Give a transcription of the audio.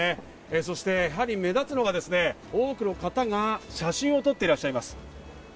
そしてやはり目立つのはですね、多くの方が写真を撮っていらっしゃいます。